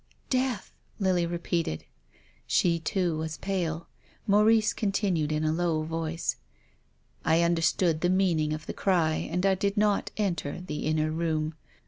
" Death !" Lily repeated. She too was pale. Maurice continued in a low voice. " I understood the meaning of the cry, and I did not enter the inner room.